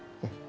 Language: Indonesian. kau mau percoba